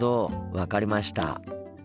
分かりました。